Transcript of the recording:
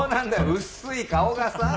うっすい顔がさ。